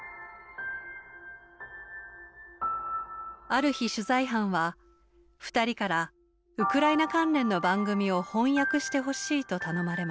ある日取材班は二人からウクライナ関連の番組を翻訳してほしいと頼まれました。